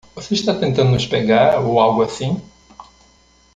Você está tentando nos pegar ou algo assim?